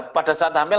pada saat hamil